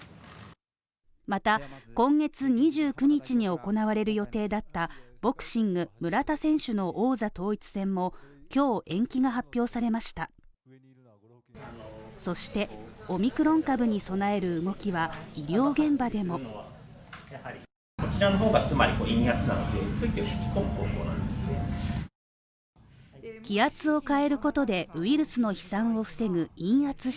また、今月２９日に行われる予定だったボクシング、村田選手の王座統一戦も今日延期が発表されましたオミクロン株に備える動きは医療現場でも気圧を変えることでウイルスの飛散を防ぐ陰圧室